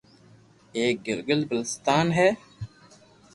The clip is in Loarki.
ايڪ گلگيت بلچستان ھي